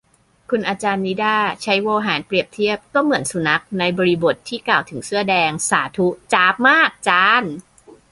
คุณอาจารย์นิด้า ใช้โวหารเปรียบเทียบ "ก็เหมือนสุนัข" ในบริบทที่กล่าวถึงเสื้อแดง สาธุ จ๊าบมากจารย์